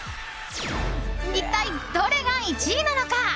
一体どれが１位なのか。